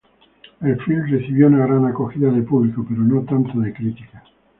El film recibió una gran acogida de público, pero no tanto de crítica.